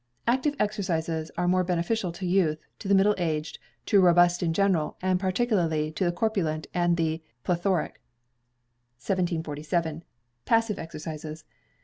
Active exercises are more beneficial to youth, to the middle aged, to the robust in general, and particularly to the corpulent and the plethoric. 1747. Passive Exercises.